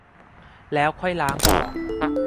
แล้วค่อยล้างออก